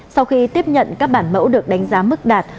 sau khi tiếp nhận các bản mẫu được đánh giá mức đạt